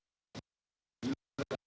sebenarnya dari pt ibu itu berapa sih